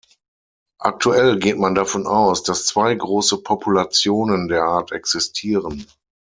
Aktuell geht man davon aus, dass zwei große Populationen der Art existieren.